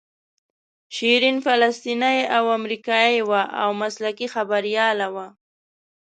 شیرین فلسطینۍ او امریکایۍ وه او مسلکي خبریاله وه.